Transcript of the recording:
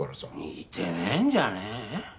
似てねえんじゃねえ？